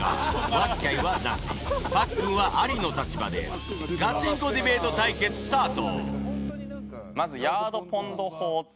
わっきゃいはナシパックンはアリの立場でガチンコディベート対決スタート！